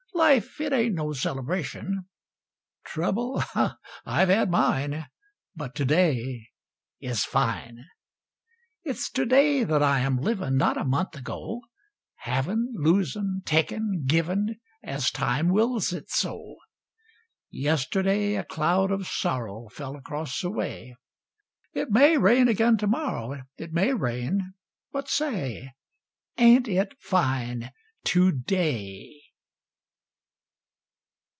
Life it ain't no celebration. Trouble? I've had mine But to day is fine. It's to day that I am livin', Not a month ago, Havin', losin', takin', givin', As time wills it so. Yesterday a cloud of sorrow Fell across the way; It may rain again to morrow, It may rain but, say, Ain't it fine to day!